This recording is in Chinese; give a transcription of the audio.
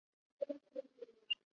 较为高级的宫女则称为女官。